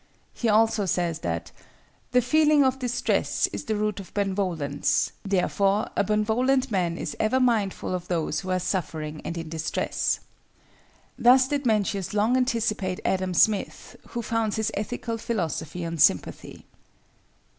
He also says that "the feeling of distress is the root of benevolence, therefore a benevolent man is ever mindful of those who are suffering and in distress." Thus did Mencius long anticipate Adam Smith who founds his ethical philosophy on Sympathy.